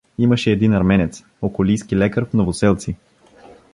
Имаше един арменец, околийски лекар в Новоселци.